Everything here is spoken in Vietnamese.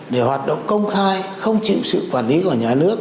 để hoạt động công khai không chịu sự quản lý của nhà nước